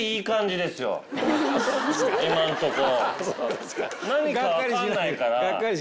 今んとこ。